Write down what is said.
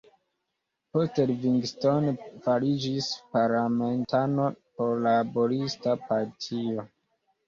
Poste Livingstone fariĝis parlamentano por la Laborista Partio.